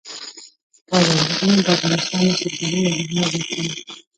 پابندي غرونه د افغانستان د سیلګرۍ یوه مهمه برخه ده.